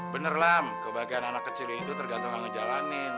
bener lah kebahagiaan anak kecil itu tergantung yang ngejalanin